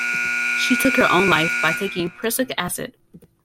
She took her own life by taking prussic acid.